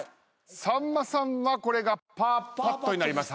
さんまさんはこれがパーパットになります。